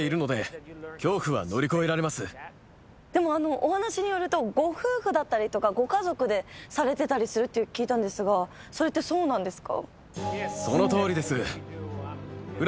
お話によるとご夫婦だったりご家族でされてたりすると聞いたんですがそれってそうなんですか？